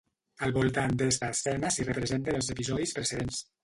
Al voltant d'esta escena s'hi representen els episodis precedents.